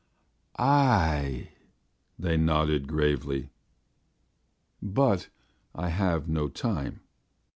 "Ay," they nodded gravely. "But I have no time.